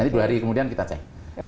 ini dua hari kemudian kita cek